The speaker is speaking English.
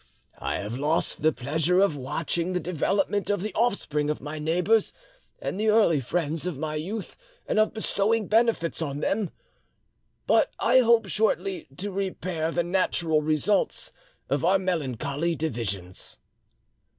I have lost the pleasure of watching the development of the off spring of my neighbours and the early friends of my youth, and of bestowing benefits on them, but I hope shortly to repair the natural results of our melancholy divisions."